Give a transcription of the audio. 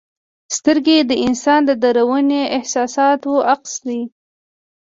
سترګې د انسان د دروني احساساتو عکس دی.